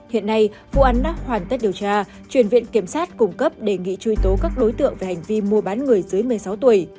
hiện nay vụ án đã hoàn tất điều tra chuyển viện kiểm sát cung cấp đề nghị truy tố các đối tượng về hành vi mua bán người dưới một mươi sáu tuổi